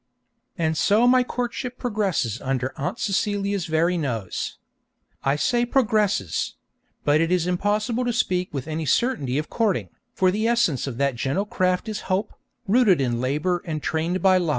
And so my courtship progresses under Aunt Celia's very nose. I say 'progresses'; but it is impossible to speak with any certainty of courting, for the essence of that gentle craft is hope, rooted in labour and trained by love.